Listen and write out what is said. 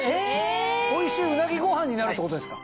おいしいうなぎご飯になるってことですか？